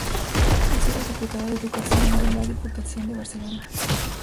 Ha sido Diputada de Educación de la Diputación de Barcelona.